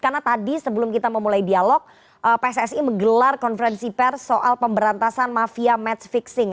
karena tadi sebelum kita memulai dialog pssi menggelar konferensi pers soal pemberantasan mafia match fixing